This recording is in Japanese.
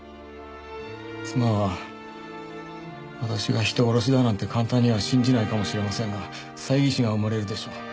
妻は私が人殺しだなんて簡単には信じないかもしれませんが猜疑心は生まれるでしょう。